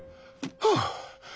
はあ。